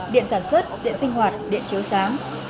điện sản xuất điện sinh hoạt điện chiếu sáng